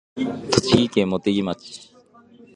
栃木県茂木町